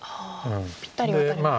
ぴったりワタれますか。